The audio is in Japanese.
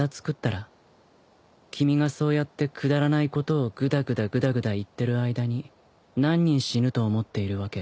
君がそうやってくだらないことをぐだぐだぐだぐだ言ってる間に何人死ぬと思っているわけ？